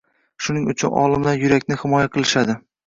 Shuning uchun olimlar yurakni himoya qilishadi